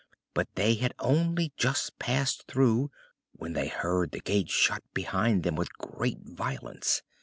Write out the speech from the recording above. But they had only just passed through when they heard the gate shut behind them with great violence.